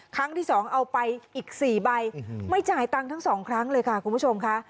ครั้งที่๒เอาไปอีก๔ใบไม่จ่ายตังค์ทั้งสองครั้งเลยค่ะคุณผู้ชมค่ะ